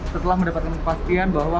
setelah mendapatkan kepastian bahwa